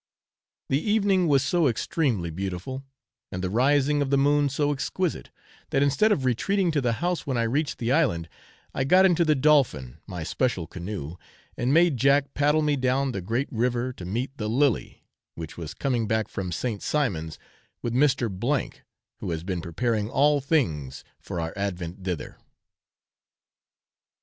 The evening was so extremely beautiful, and the rising of the moon so exquisite, that instead of retreating to the house when I reached the island, I got into the Dolphin, my special canoe, and made Jack paddle me down the great river to meet the Lily, which was coming back from St. Simon's with Mr. who has been preparing all things for our advent thither.